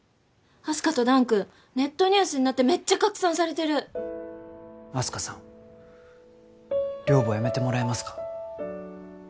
あす花と弾君ネットニュースになってめっちゃ拡散されてるあす花さん寮母辞めてもらえますか